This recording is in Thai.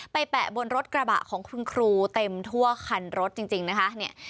แปะบนรถกระบะของคุณครูเต็มทั่วคันรถจริงนะคะเนี่ย